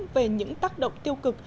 về những tác động tiêu cực